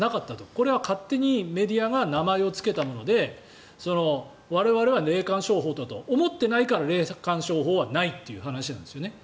これは勝手にメディアが名前をつけたもので我々は霊感商法だとは思ってないから霊感商法はないという話なんですよね。